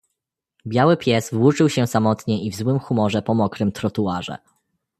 "Biały pies włóczył się samotnie i w złym humorze po mokrym trotuarze."